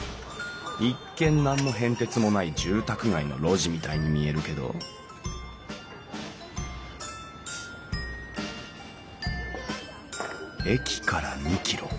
一見何の変哲もない住宅街の路地みたいに見えるけど駅から２キロ。